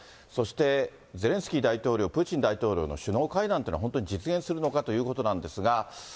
そして、ゼレンスキー大統領、プーチン大統領の首脳会談っていうのは本当に実現するのかということなんですが。